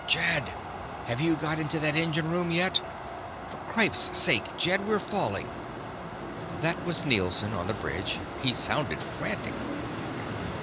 "Jed! Have you got into that engine room yet? For cripes sake, Jed, we're falling." That was Nielson, on the bridge. He sounded frantic.